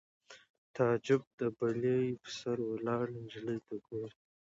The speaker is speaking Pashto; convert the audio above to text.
تعجب د بلۍ په سر ولاړې نجلۍ ته ګوري